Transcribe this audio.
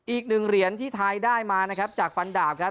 อีกหนึ่งเหรียญที่ไทยได้มานะครับจากฟันดาบครับ